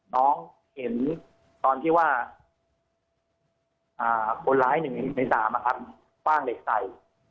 น้องเห็นตอนที่ว่าคนร้ายหนึ่งในสามคว่างเล็กใส